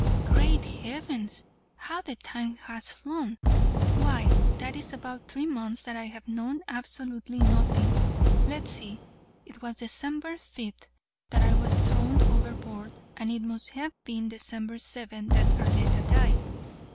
"Great heavens, how the time has flown! Why, that is about three months that I have known absolutely nothing. Let's see, it was December 5th that I was thrown overboard, and it must have been December 7th that Arletta died.